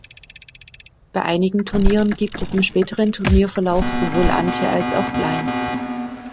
Bei einigen Turnieren gibt es im späteren Turnierverlauf sowohl Ante als auch Blinds.